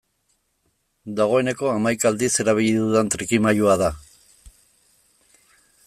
Dagoeneko hamaika aldiz erabili dudan trikimailua da.